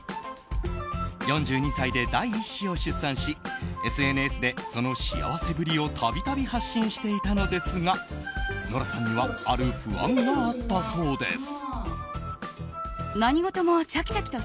４２歳で第１子を出産しＳＮＳでその幸せぶりを度々発信していたのですがノラさんにはある不安があったそうです。